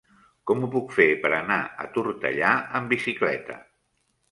Com ho puc fer per anar a Tortellà amb bicicleta?